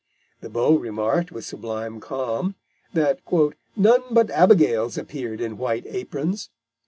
The Beau remarked, with sublime calm, that "none but Abigails appeared in white aprons."